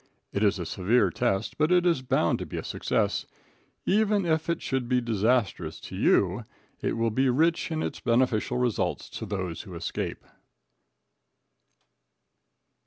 It is a severe test, but it is bound to be a success. Even if it should be disastrous to you, it will be rich in its beneficial results to those who escape.